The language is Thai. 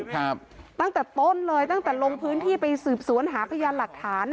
ตั้งแต่ต้นเลยตั้งแต่ลงพื้นที่ไปสืบสวนหาพยานหลักฐาน